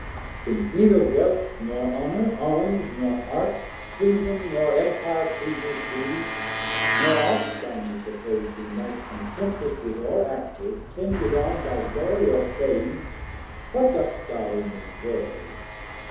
Since neither wealth, nor honour, arms nor arts, Kingdom nor Empire pleases thee, nor aught By me propos'd in life contemplative, Or active, tended on by glory, or fame, 370 What dost thou in this World?